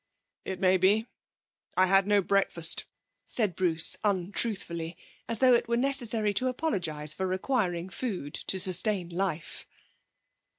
'It may be. I had no breakfast,' said Bruce untruthfully, as though it were necessary to apologise for requiring food to sustain life.